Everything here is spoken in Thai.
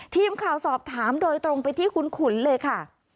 ทีมข่าวสอบถามโดยตรงไปที่คุณขุนเลยค่ะ